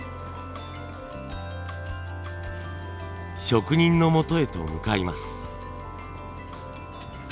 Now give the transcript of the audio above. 職人のもとへと向かいます。